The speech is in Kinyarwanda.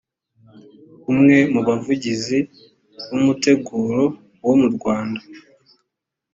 umwe mu bavugizi b’umuteguro wo mu rwanda